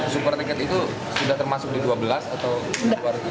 super tiket itu sudah termasuk di dua belas atau dua ribu